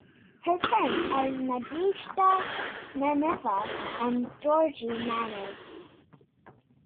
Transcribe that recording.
Her parents are Nadejda Maneva and Georgi Manev.